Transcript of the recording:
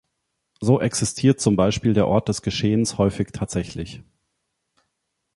So existiert zum Beispiel der Ort des Geschehens häufig tatsächlich.